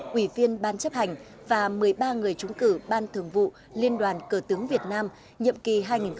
quỷ viên ban chấp hành và một mươi ba người chúng cử ban thường vụ liên đoàn cờ tướng việt nam nhiệm kỳ hai nghìn một mươi tám hai nghìn hai mươi ba